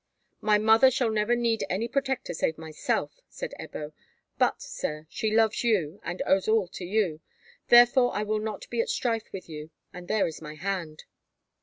"My mother shall never need any protector save myself," said Ebbo; "but, sir, she loves you, and owes all to you. Therefore I will not be at strife with you, and there is my hand."